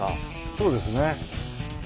そうですね。